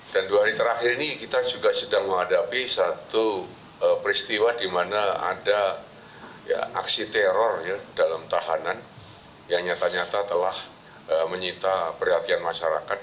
dan dua hari terakhir ini kita juga sedang menghadapi satu peristiwa di mana ada aksi teror dalam tahanan yang nyata nyata telah menyita perhatian masyarakat